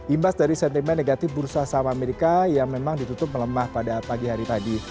imbas dari sentimen negatif bursa saham amerika yang memang ditutup melemah pada pagi hari tadi